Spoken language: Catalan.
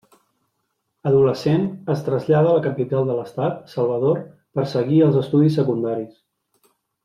Adolescent, es trasllada a la capital de l'estat, Salvador per seguir els estudis secundaris.